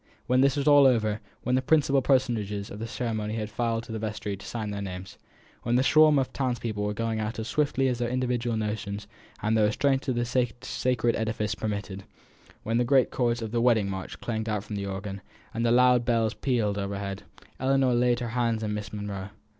When all was over; when the principal personages of the ceremony had filed into the vestry to sign their names; when the swarm of townspeople were going out as swiftly as their individual notions of the restraints of the sacred edifice permitted; when the great chords of the "Wedding March" clanged out from the organ, and the loud bells pealed overhead Ellinor laid her hand in Miss Monro's.